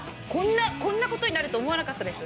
こんなことになると思わなかったです。